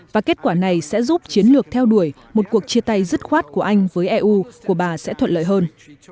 và kết quả này sẽ giúp chiến lược theo đuổi một cuộc chia tay dứt khoát của anh với eu của bà sẽ thuận lợi hơn